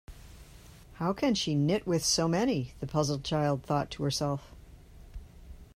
‘How can she knit with so many?’ the puzzled child thought to herself.